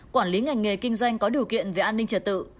quản lý ngành nghề kinh doanh có điều kiện về an ninh trật tự